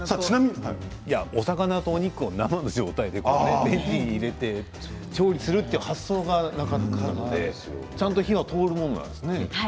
お魚とお肉を生の状態でレンジに入れて調理するって発想が、なかなかなかったのでちゃんと火は通るものなんですね。